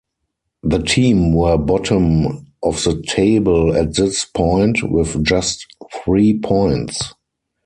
The team were bottom of the table at this point, with just three points.